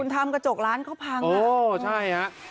คุณทำกระจกร้านเขาพังอ่ะโอ้ใช่ครับ